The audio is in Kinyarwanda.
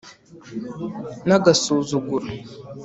N,agasuzuguro